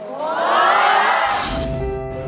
โอ้ย